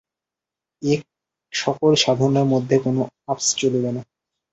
এ-সকল সাধনার মধ্যে কোন আপস চলিবে না।